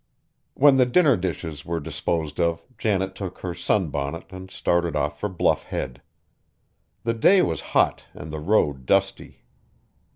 When the dinner dishes were disposed of, Janet took her sunbonnet and started off for Bluff Head. The day was hot and the road dusty.